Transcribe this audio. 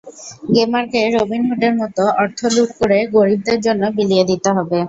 গেমারকে রবিনহুডের মতো অর্থ লুট করে গরিবদের জন্য বিলিয়ে দিতে হবে।